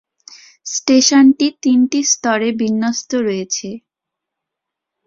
স্টেশনটি তিনটি স্তরে বিন্যস্ত রয়েছে।